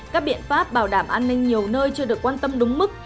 các biện pháp bảo đảm an ninh nhiều nơi chưa được quan tâm đúng mức